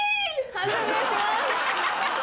判定お願いします。